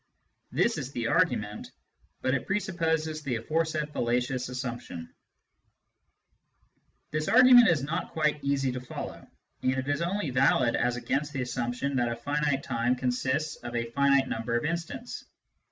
This is the argument : but it presupposes the aforesaid fallacious assumption." This argument is not quite easy to follow, and it is only valid as against the assumption that a finite time consists of a finite First Position. Second Position. , r •^ 3 g. g,, B g/ g„ number of mstants.